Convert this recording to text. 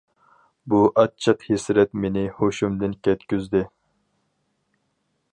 بۇ ئاچچىق ھەسرەت مېنى ھوشۇمدىن كەتكۈزدى.